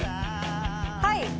はい